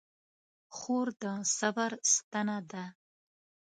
خور د صبر ستنه ده.